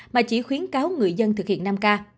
mà chỉ khuyến cáo người dân thực hiện năm k